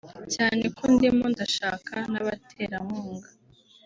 cyane ko ndimo ndashaka n’abaterankunga